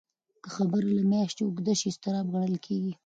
که خبره له میاشتې اوږده شي، اضطراب ګڼل کېږي.